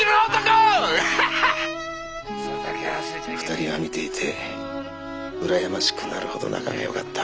２人は見ていて羨ましくなるほど仲がよかった。